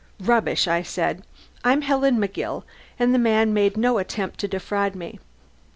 "Rubbish!" I said. "I'm Helen McGill, and the man made no attempt to defraud me."